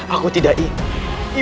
aku tidak ingin